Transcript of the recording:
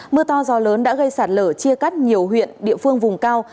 mưa to gió lớn đã gây sạt lở chia cắt nhiều huyện địa phương vùng cao